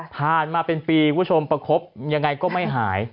ผ่านมาเป็นปีคุณผู้ชมประคบยังไงก็ไม่หาย